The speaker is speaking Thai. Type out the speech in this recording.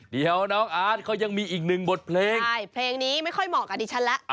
เดี๋ยวน้องอาร์ตเขายังมีอีกหนึ่งบทเพลงใช่เพลงนี้ไม่ค่อยเหมาะกับดิฉันแล้ว